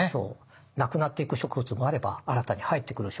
なくなっていく植物もあれば新たに入ってくる植物もある。